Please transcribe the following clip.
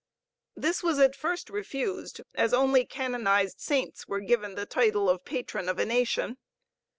This was at first refused, as only canonized saints were given the title of Patron of a nation.